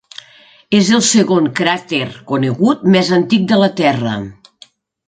És el segon cràter conegut més antic de la terra.